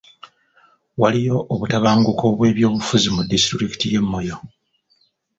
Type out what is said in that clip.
Waliyo obutabanguko bw'ebyobufuzi mu disitulikiti y'e Moyo.